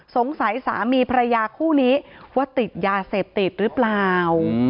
สามีภรรยาคู่นี้ว่าติดยาเสพติดหรือเปล่า